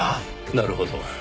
なるほど。